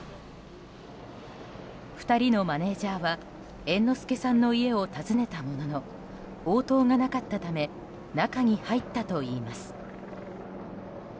２人のマネジャーは猿之助さんの家を尋ねたものの応答がなかったため中に入ったといいます。